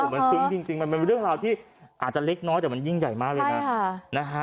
มันซึ้งจริงมันเป็นเรื่องราวที่อาจจะเล็กน้อยแต่มันยิ่งใหญ่มากเลยนะ